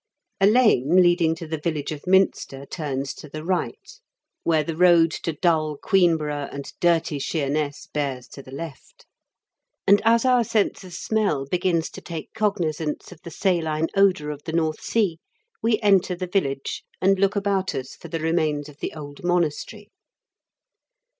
A lane leading to the village of Minster turns to the right, where the road to dull Queenborough SIB ROBERT 8HURLAND*8 TOMB. 79 and dirty Sheerness bears to the left ; and, as our sense of smell begins to take cognisance of the saline odour of the North Sea, we enter the viUage and look about us for the remains of the old monastery.